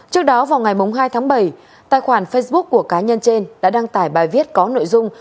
trước đó vào ngày hai tháng bảy tài khoản facebook của cá nhân trên đã đăng tải bài viết có nội dung